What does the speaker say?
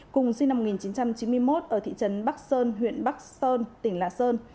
cùng sinh năm một nghìn chín trăm chín mươi một ở thị trấn bắc sơn huyện bắc sơn tỉnh lạng sơn